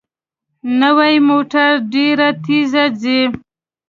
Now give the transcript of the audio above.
نوې موټر ډېره تېزه ځي